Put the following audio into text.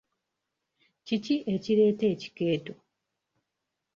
Kiki ekireeta ekikeeto?